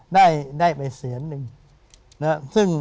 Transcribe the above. ได้ไปเสียงหนึ่ง